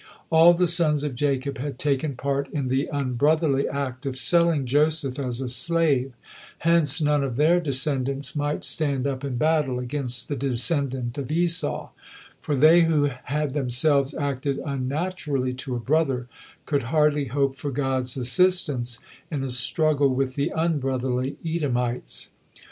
All the sons of Jacob had taken part in the unbrotherly act of selling Joseph as a slave, hence none of their descendants might stand up in battle against the descendant of Esau; for they who had themselves acted unnaturally to a brother, could hardly hope for God's assistance in a struggle with the unbrotherly Edomites.